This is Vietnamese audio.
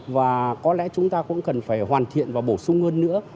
và có lẽ chúng ta cũng cần phải hoàn thiện và bổ sung hơn nữa